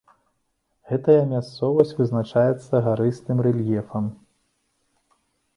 Гэтая мясцовасць вызначаецца гарыстым рэльефам.